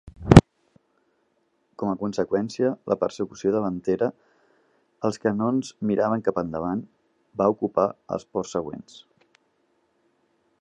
Com a conseqüència, la persecució davantera, els canons miraven cap endavant, va ocupar els ports següents.